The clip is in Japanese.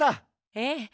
ええ。